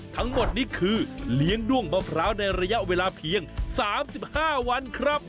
ทั้งหมดนี่คือเลี้ยงด้วงมะพร้าวในระยะเวลาเพียง๓๕วันครับ